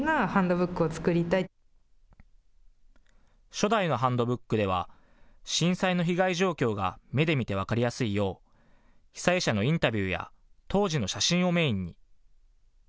初代のハンドブックでは震災の被害状況が目で見て分かりやすいよう被災者のインタビューや当時の写真をメインに。